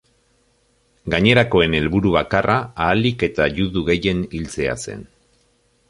Gainerakoen helburu bakarra ahalik eta judu gehien hiltzea zen.